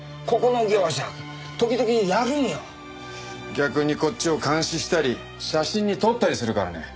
逆にこっちを監視したり写真に撮ったりするからね。